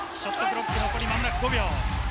ショットクロックは残り５秒。